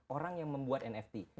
orang yang membuat nft